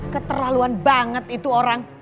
keterlaluan banget itu orang